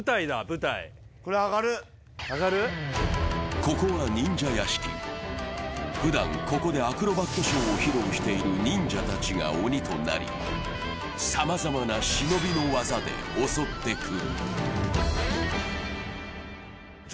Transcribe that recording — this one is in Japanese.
ここは忍者屋敷、ふだんここでアクロバットショーを披露している忍者たちが鬼となり、さまざまな忍びの技で襲ってくる。